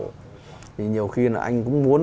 thì nhiều khi là anh cũng muốn